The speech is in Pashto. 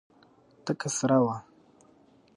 تکه سره وه.